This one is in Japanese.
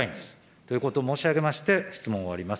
ということを申し上げまして、質問を終わります。